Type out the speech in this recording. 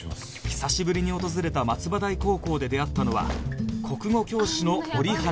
久しぶりに訪れた松葉台高校で出会ったのは国語教師の折原葵